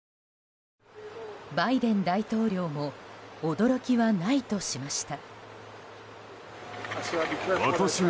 バイデン大統領も驚きはないとしました。